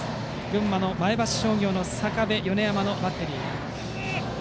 前橋商業の坂部、米山のバッテリー。